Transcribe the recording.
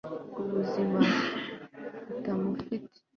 nzi ubuzima butamufite